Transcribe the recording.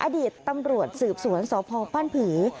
อดีตตำรวจสืบสวนสพปั้นผือ